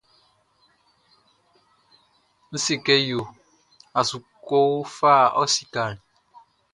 N se kɛ yo a su kɔ fa ɔ sikaʼn?